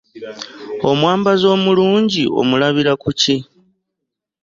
Omwambazi omulungi omulabira ku ki?